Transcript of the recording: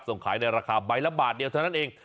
ส่งไข่ในราคาบะทีนี้เท่านั้นเอง